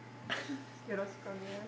よろしくお願いします。